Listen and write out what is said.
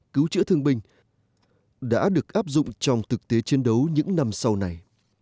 cứu chữa thương binh đã được áp dụng trong thực tế chiến đấu những năm sau này